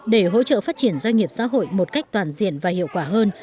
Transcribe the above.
để hỗ trợ phát triển doanh nghiệp xã hội một cách toàn diện và hiệu quả hơn